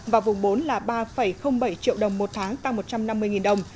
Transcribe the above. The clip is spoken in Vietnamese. và vùng bốn là ba bảy triệu đồng một tháng tăng một trăm năm mươi đồng